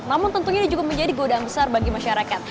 namun tentunya ini juga menjadi godaan besar bagi masyarakat